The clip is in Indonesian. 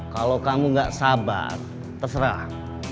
kalau kamu nggak sabar terserah